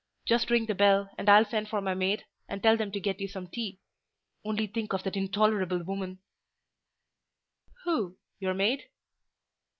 Just ring the bell, and I'll send for my maid, and tell them to get you some tea. Only think of that intolerable woman—" "Who—your maid?"